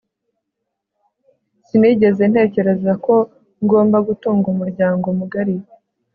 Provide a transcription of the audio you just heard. sinigeze ntekereza ko ngomba gutunga umuryango mugari